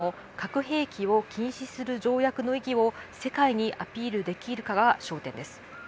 核の脅威が高まる中でも核兵器を禁止する条約の意義を世界にアピールできるかが焦点です。